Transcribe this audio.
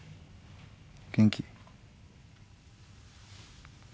元気？